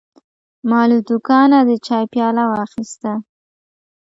ما له دوکانه د چای پیاله واخیسته.